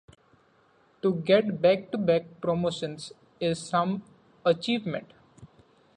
To get back to back promotions is some achievement.